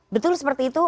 betul seperti itu